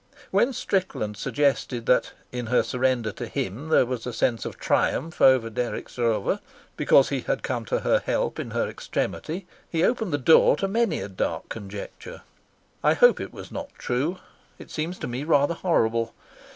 When Strickland suggested that in her surrender to him there was a sense of triumph over Dirk Stroeve, because he had come to her help in her extremity, he opened the door to many a dark conjecture. I hope it was not true. It seems to me rather horrible.